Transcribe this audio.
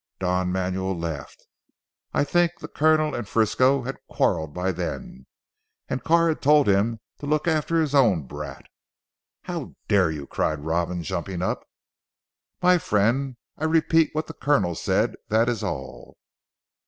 Don Manuel laughed. "I think the Colonel and Frisco had quarrelled by then, and Carr had told him to look after his own brat." "How dare you?" cried Robin jumping up. "My friend, I repeat what the Colonel said. That is all."